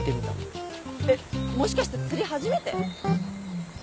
えっもしかして釣り初めて？